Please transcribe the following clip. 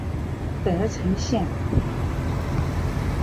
德城线